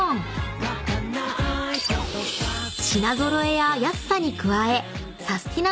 ［品揃えや安さに加えサスティな！